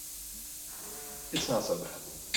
It's not so bad.